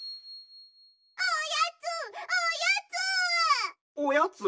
おやつおやつ！